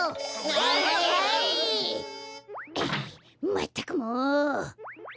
まったくもう！